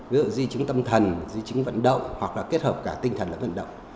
ví dụ di chứng tâm thần di chứng vận động hoặc là kết hợp cả tinh thần lẫn vận động